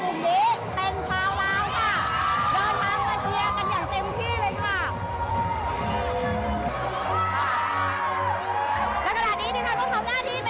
พี่น้องปื้มจิตหินเท้ากับตันมีม